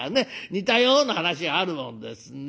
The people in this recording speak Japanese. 似たような話があるもんですね。